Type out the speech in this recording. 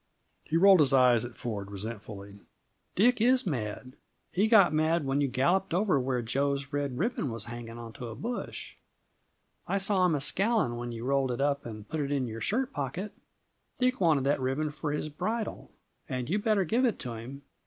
He rolled his eyes at Ford resentfully. "Dick is mad! He got mad when you galloped over where Jo's red ribbon was hanging onto a bush. I saw him a scowling when you rolled it up and put it in your shirt pocket. Dick wanted that ribbon for his bridle; and you better give it to him.